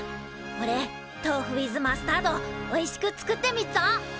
おれ「とうふウィズマスタード」おいしく作ってみっぞ！